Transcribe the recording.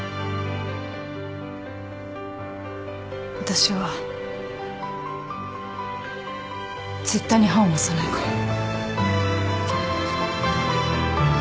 私は絶対にはんを押さないから。